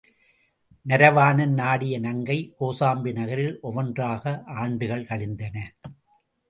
நரவாணன் நாடிய நங்கை கோசாம்பி நகரில் ஒவ்வொன்றாக ஆண்டுகள் கழிந்தன.